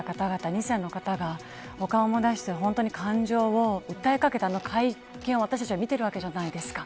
２世の方が顔も出して感情を訴えかけた意見を私たちは見てるわけじゃないですか。